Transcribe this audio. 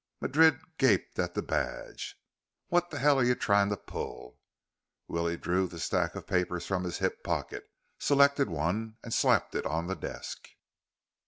Madrid gaped at the badge. "What the hell are you trying to pull?" Willie drew the stack of papers from his hip pocket, selected one and slapped it on the desk.